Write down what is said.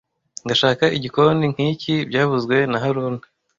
Ndashaka igikoni nkiki byavuzwe na haruna